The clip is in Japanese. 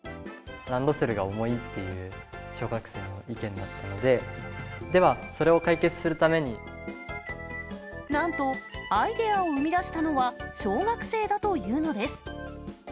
ランドセルが重いっていう小学生の意見だったので、では、それをなんと、アイデアを生み出したのは、小学生だというのです。